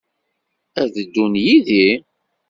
Ad d-ddun yid-i?